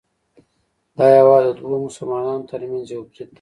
دا هیواد د دوو مسلمانانو ترمنځ یو برید دی